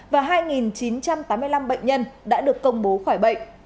và hai chín trăm tám mươi năm bệnh nhân đã được công bố khỏi bệnh